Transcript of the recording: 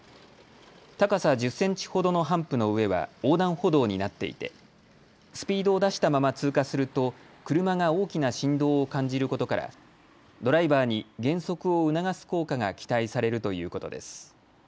高さ１０センチほどのハンプの上は横断歩道になっていてスピードを出したまま通過すると車が大きな振動を感じることからドライバーに減速を促す効果が期待されるということです。